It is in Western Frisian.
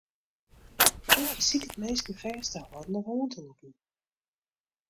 Men besiket minsken fêst te hâlden of oan te lûken.